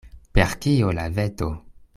Per kio la veto?